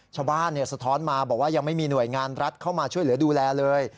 สะท้อนมาบอกว่ายังไม่มีหน่วยงานรัฐเข้ามาช่วยเหลือดูแลเลย